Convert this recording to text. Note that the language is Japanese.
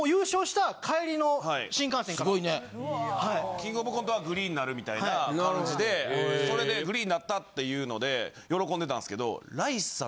『キングオブコント』はグリーンになるみたいな感じでそれでグリーンになったっていうので喜んでたんすけど。